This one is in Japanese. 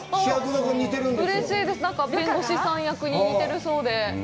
なんか弁護士さん役に似てるそうで。